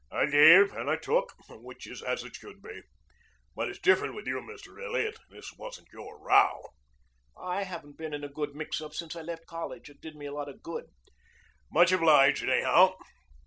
"I gave and I took, which was as it should be. But it's different with you, Mr. Elliot. This wasn't your row." "I hadn't been in a good mix up since I left college. It did me a lot of good." "Much obliged, anyhow."